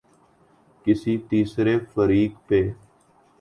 کسی تیسرے فریق پہ۔